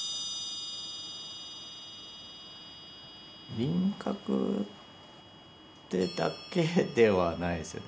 輪郭ってだけではないですよね。